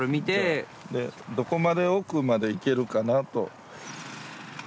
どこまで奥までいけるかなと。